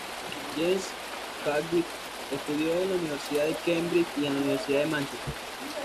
James Chadwick estudió en la Universidad de Cambridge y en la Universidad de Mánchester.